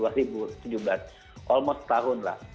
hampir setahun lah